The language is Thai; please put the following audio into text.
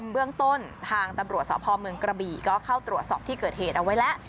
เบื้องต้นทางตำรวจสพเมืองกระบี่ก็เข้าตรวจสอบที่เกิดเหตุเอาไว้แล้ว